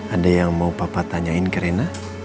ada yang mau papa tanyain ke rena